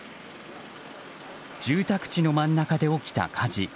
住宅地の真ん中で起きた火事。